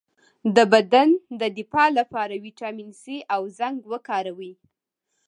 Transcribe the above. د بدن د دفاع لپاره ویټامین سي او زنک وکاروئ